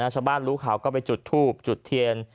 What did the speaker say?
ชาวบ้านรู้ข่าวก็ไปจุดทูบจุดเทียน